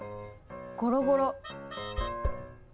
ゴロゴロ。